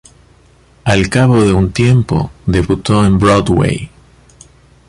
Al cabo de un tiempo debutó en Broadway.